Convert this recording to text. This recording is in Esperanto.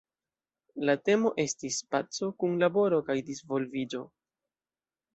La temo estis "Paco, Kunlaboro kaj Disvolviĝo".